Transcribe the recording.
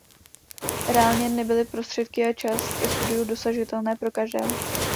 Reálně nebyly prostředky a čas ke studiu dosažitelné pro každého.